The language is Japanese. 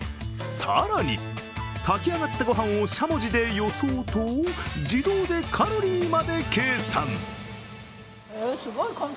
更に、炊き上がった御飯をしゃもじでよそうと、自動でカロリーまで計算。